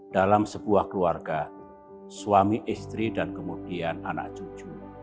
dalam sebuah keluarga suami istri dan kemudian anak cucu